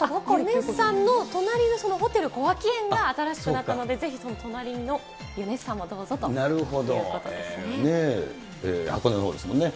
ユネッサンの隣のホテル小涌園が新しくなったので、ぜひその隣のユネッサンもどうぞというこ箱根のほうですもんね。